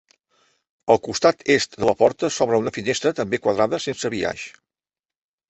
Al costat est de la porta s'obre una finestra també quadrada sense biaix.